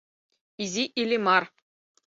Изи Иллимар.